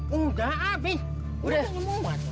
sudah habis sudah nyemot